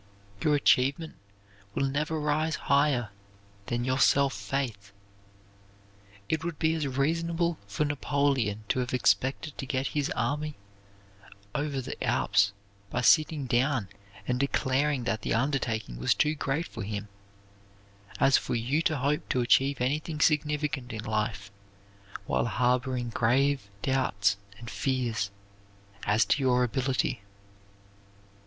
Your achievement will never rise higher than your self faith. It would be as reasonable for Napoleon to have expected to get his army over the Alps by sitting down and declaring that the undertaking was too great for him, as for you to hope to achieve anything significant in life while harboring grave doubts and fears as to your ability.